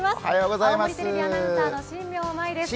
青森テレビアナウンサーの新名真愛です。